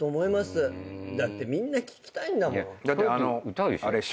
だってみんな聞きたいんだもん。